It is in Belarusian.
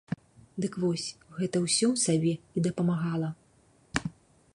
Дык вось, гэта ўсё ў сабе і дапамагала.